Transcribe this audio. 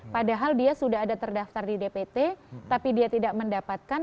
padahal dia sudah ada terdaftar di dpt tapi dia tidak mendapatkan